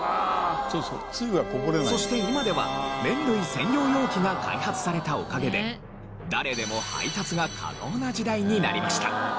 そして今では麺類専用容器が開発されたおかげで誰でも配達が可能な時代になりました。